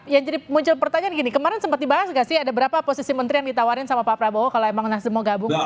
ya jadi muncul pertanyaan gini kemarin sempat dibahas gak sih ada berapa posisi menteri yang ditawarin sama pak prabowo kalau emang nasdem mau gabung